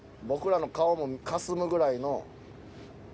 僕らの顔もかすむぐらいの。